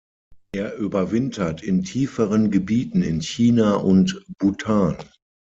Er überwintert in tieferen Gebieten in China und Bhutan.